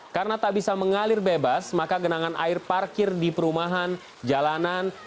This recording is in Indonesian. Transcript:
karena tak bisa mengalir bebas maka genangan air parkir di perumahan jalanan